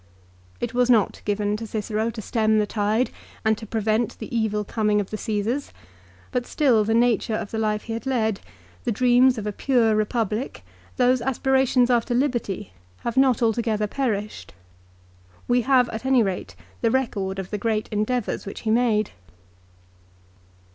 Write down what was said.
It was not given to Cicero to stem the tide and to prevent the evil coming of the Csesars ; but still the nature of the life he had led, the dreams of a pure Eepublic, those aspira tions after liberty have not altogether perished. We have at any rate the record of the great endeavours which he made.